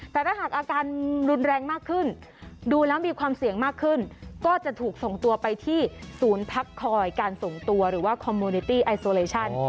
แต่ถ้าหากอาการรุนแรงมากขึ้นดูแล้วมีความเสี่ยงมากขึ้นก็จะถูกส่งตัวไปที่ศูนย์พักคอยการส่งตัวหรือว่าคอมโมนิตี้ไอโซเลชั่น